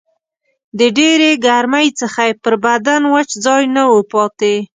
د ډېرې ګرمۍ څخه یې پر بدن وچ ځای نه و پاته